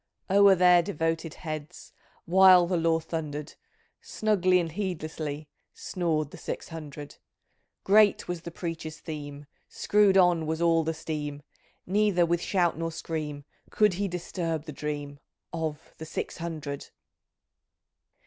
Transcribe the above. O'ER their devoted heads. While the law thunder'd. Snugly and heedlessly Snored the Six hundred ! Great was the preacher's theme ; Screw'd on was all the steam ; Neither with shout nor scream Could he disturb the dream Of the Six Hundred